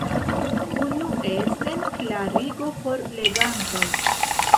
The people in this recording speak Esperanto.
Unue sen klarigo por legantoj.